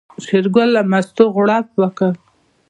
شېرګل له مستو غوړپ وکړ.